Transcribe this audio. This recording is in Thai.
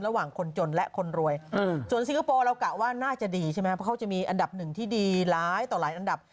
ระหว่างคนจนและคนรวยส่วนสิงคโปร์เรากะว่าน่าจะดีใช่ไหมเพราะเขาจะมีอันดับหนึ่งที่ดีหลายต่อหลายอันดับ